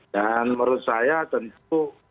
dan menurut saya tentu